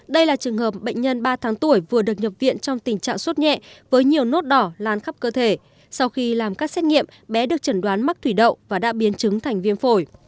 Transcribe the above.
đây là trường hợp bệnh nhân ba tháng tuổi vừa được nhập viện trong tình trạng suốt nhẹ với nhiều nốt đỏ lan khắp cơ thể sau khi làm các xét nghiệm bé được chẩn đoán mắc thủy đậu và đã biến chứng thành viêm phổi